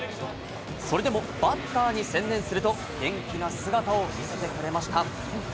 それでもバッターに専念すると元気な姿を見せてくれました。